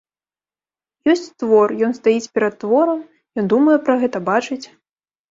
Ёсць твор, ён стаіць перад творам, ён думае пра гэта, бачыць.